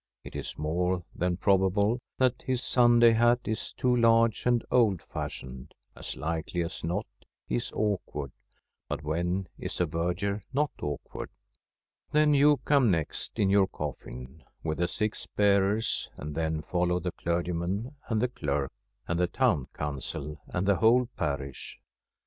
It is more than probable that his Sunday hat is too large and old fashioned; as likely as not he is awkward — but when is a verger not awkward? Then you come next in your coffin, with the six bearers, and then follow the clergyman and the clerk and the Town Council and the whole parish.